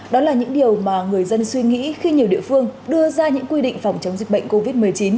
đó là những điều mà người dân suy nghĩ khi nhiều địa phương đưa ra những quy định phòng chống dịch bệnh covid một mươi chín